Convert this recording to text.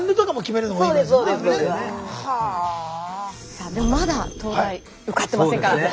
さあでもまだ東大受かってませんから。